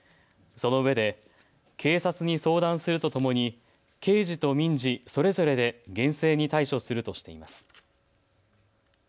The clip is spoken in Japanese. そのうえで警察に相談するとともに刑事と民事それぞれで厳正に対処するとしています。